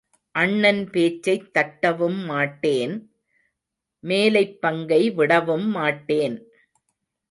அண்ணன் பேச்சைத் தட்டவும் மாட்டேன் மேலைப் பங்கை விடவும் மாட்டேன்.